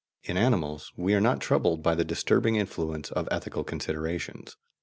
In animals we are not troubled by the disturbing influence of ethical considerations.